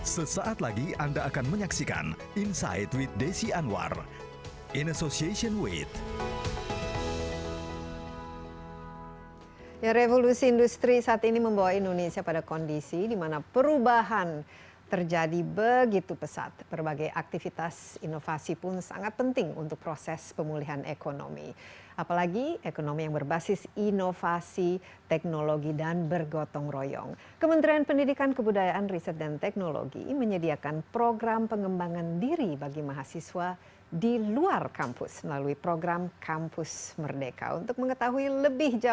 sesaat lagi anda akan menyaksikan insight with desi anwar in association with